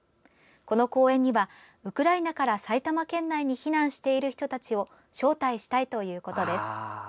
この公演にはウクライナから埼玉県内に避難している人たちを招待したいということです。